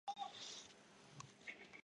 日本动画协会正式会员。